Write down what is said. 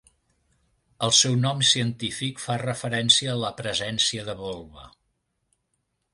El seu nom científic fa referència a la presència de volva.